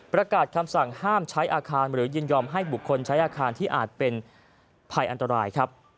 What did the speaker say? ประกาศคำสั่งห้ามใช้อาคารหรือยินยอมให้บุคคลใช้อาคารที่อาจเป็นภัยอันตรายครับ